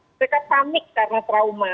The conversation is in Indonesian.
mereka panik karena trauma